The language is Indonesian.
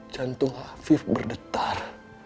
jantung hafif berdetar